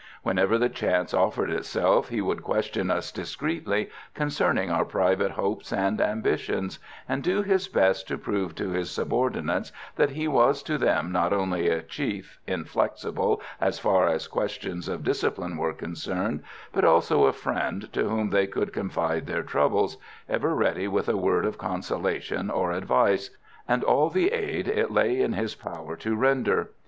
Whenever the chance offered itself, he would question us discreetly concerning our private hopes and ambitions, and do his best to prove to his subordinates that he was to them not only a chief, inflexible as far as questions of discipline were concerned, but also a friend to whom they could confide their troubles, ever ready with a word of consolation or advice, and all the aid it lay in his power to render.